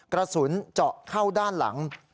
กระสุนเจาะเข้าด้านหลัง